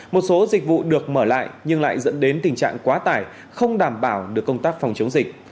một số dịch vụ được mở lại nhưng lại dẫn đến tình trạng quá tải không đảm bảo được công tác phòng chống dịch